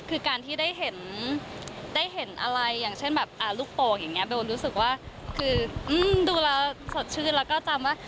คือการที่ได้เห็นได้เห็นอะไรอย่างเช่นแบบลูกโป่งอย่างนี้เบลรู้สึกว่าคือดูแล้วสดชื่นแล้วก็จำว่า